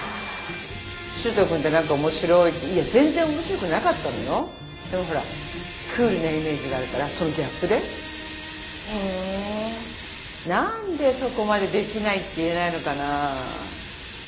柊人君って何か面白いっていや全然面白くなかったのよでもほらクールなイメージがあるからそのギャップでへえ何でそこまでできないって言えないのかな